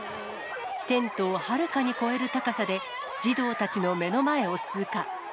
テントをはるかに超える高さで、児童たちの目の前を通過。